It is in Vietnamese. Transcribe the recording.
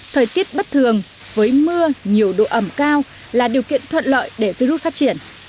thời tiết bất thường với mưa nhiều độ ẩm cao là điều kiện thuận lợi để virus phát triển